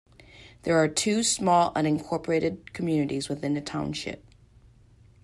There are two small unincorporated communities within the township.